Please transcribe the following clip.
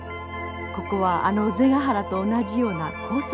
ここはあの尾瀬ヶ原と同じような高層湿原です。